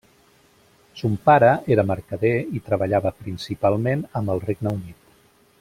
Son pare era mercader i treballava principalment amb el Regne Unit.